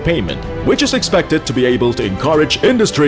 yang memberi kekuatan keberagaman industri